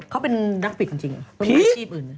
เขาเป็นนักศัพท์จริงหรือเป็นว่าชีพอื่น